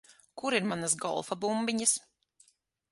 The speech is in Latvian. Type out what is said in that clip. Kur ir manas golfa bumbiņas?